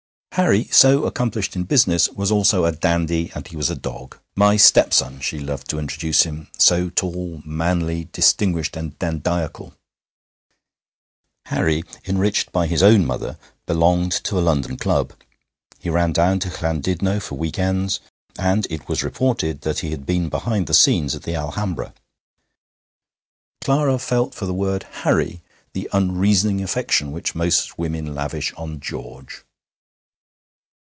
Harry, so accomplished in business, was also a dandy, and he was a dog. 'My stepson' she loved to introduce him, so tall, manly, distinguished, and dandiacal. Harry, enriched by his own mother, belonged to a London club; he ran down to Llandudno for week ends; and it was reported that he had been behind the scenes at the Alhambra. Clara felt for the word 'Harry' the unreasoning affection which most women lavish on 'George.'